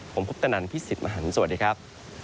ผมพุทธนันทร์พี่สิทธิ์มหันศ์สวัสดีครับ